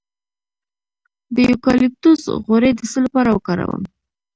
د یوکالیپټوس غوړي د څه لپاره وکاروم؟